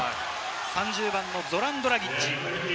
３０番のゾラン・ドラギッチ。